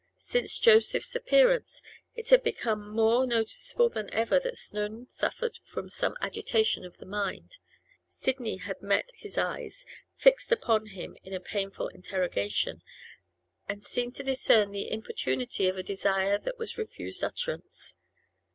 Since Joseph's appearance, it had become more noticeable than ever that Snowdon suffered from some agitation of the mind; Sidney had met his eyes fixed upon him in a painful interrogation, and seemed to discern the importunity of a desire that was refused utterance.